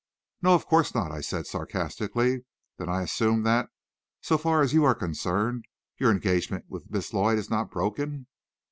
"No, of course not," said I sarcastically. "Then I assume that, so far as you are concerned, your engagement with Miss Lloyd is not broken?"